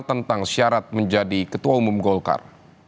tentang syarat menjadi ketua umum golkar